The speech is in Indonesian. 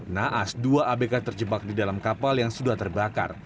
naas dua abk terjebak di dalam kapal yang sudah terbakar